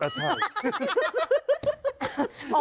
ใช่